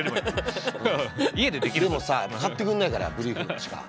でもさ買ってくんないからブリーフしか。